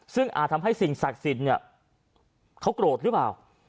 ซึ่งอาจทำให้สิ่งศักดิ์สินเขากรดหรือเปล่า